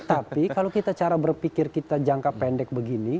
tapi kalau kita cara berpikir kita jangka pendek begini